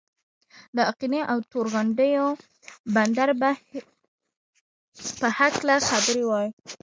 د آقینې او تور غونډۍ بندر په هکله خبرې وای.